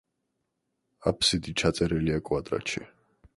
აფსიდი ჩაწერილია კვადრატში.